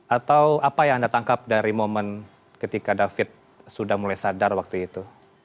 atau apa yang anda tangkap dari momen ketika david sudah mulai sadar waktu itu